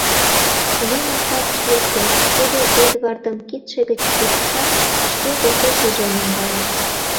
Лина садыш лекте; тудо Эдвардым кидше гыч кучышат, шке почешыже наҥгайыш.